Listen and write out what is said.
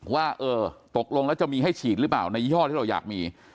ว่าเออตกลงแล้วจะมีให้ฉีดหรือเปล่าในยี่ห้อที่เราอยากมี